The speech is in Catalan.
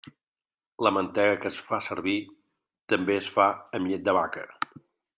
La mantega que es fa servir també es fa amb llet de vaca.